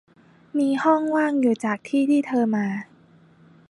มีห้องว่างอยู่จากที่ที่เธอมา